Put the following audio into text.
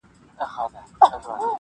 زموږ مېږیانو هم زلمي هم ماشومان مري-